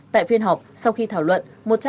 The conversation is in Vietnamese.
tại phiên họp sau khi thảo luận